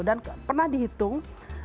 dan pernah dihitung